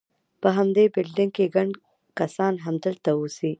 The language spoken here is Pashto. په همدې بلډینګ کې، ګڼ کسان همدلته اوسي.